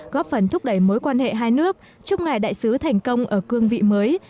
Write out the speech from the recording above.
góp phần thúc đẩy mối quan hệ hai nước chúc ngài đại sứ thành công ở cương vị mới